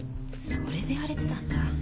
それで荒れてたんだ。